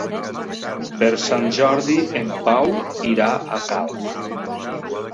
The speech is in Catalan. Per Sant Jordi en Pau irà a Calp.